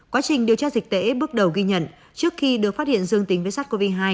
quá trình điều tra dịch tễ bước đầu ghi nhận trước khi được phát hiện dương tính với sars cov hai